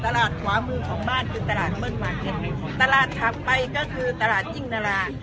ตลาดขวามือของบ้านคือตลาดเมิดมาเท็จตลาดถัดไปก็คือตลาดจิ้งนารา